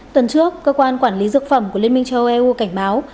tuần trước cơ quan quản lý dược phẩm của liên minh châu âu eu cảnh báo